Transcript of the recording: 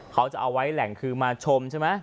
เขาจะเอาไว้แหล่งคือมาชมใช่ไหม